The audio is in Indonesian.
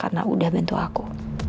karena udah bantu aku